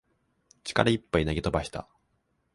力いっぱい投げ飛ばした